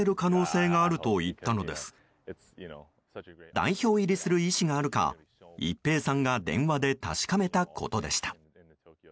代表入りする意思があるか一平さんが電話で確かめたことでした。